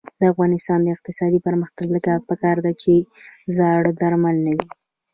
د افغانستان د اقتصادي پرمختګ لپاره پکار ده چې زاړه درمل نه وي.